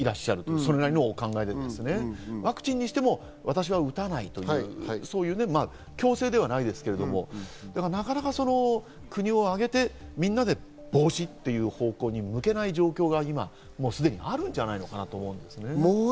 それなりのお考えでワクチンにしても、私は打たないという、強制ではないですけど、なかなか国をあげて、みんなで防止という方向に向けない状況がすでにあるんじゃないかなと。